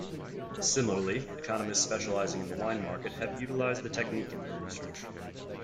Similarly, economists specializing in the wine market have utilized the technique in their research.